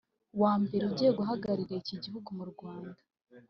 wa mbere ugiye guhagararira iki gihugu mu Rwanda